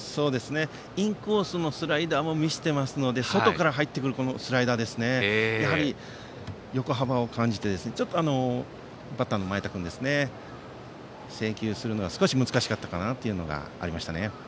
インコースのスライダーも見せていますので外から入ってくるスライダーに横幅を感じてバッターの前田君は制球するのが少し難しかったかなというのがありますね。